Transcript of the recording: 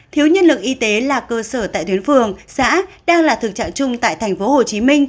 thiếu nhân lực y tế là cơ sở tại tuyến phường xã đang là thực trạng chung tại tp hcm